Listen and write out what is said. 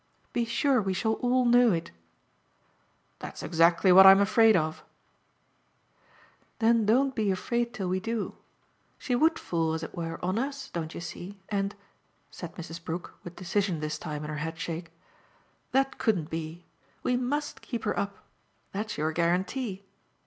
"Be sure we shall all know it." "That's exactly what I'm afraid of!" "Then don't be afraid till we do. She would fall, as it were, on US, don't you see? and," said Mrs. Brook, with decision this time in her headshake, "that couldn't be. We MUST keep her up that's your guarantee.